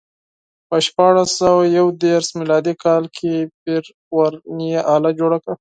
په شپاړس سوه یو دېرش میلادي کال کې پير ورنیه آله جوړه کړه.